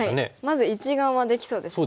まず１眼はできそうですね。